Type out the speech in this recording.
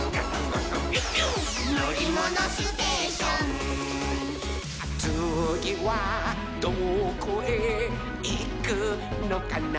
「のりものステーション」「つぎはどこへいくのかなほら」